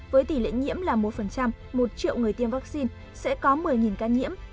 với tỷ lệ nhiễm là một một triệu người tiêm vaccine sẽ có một mươi ca nhiễm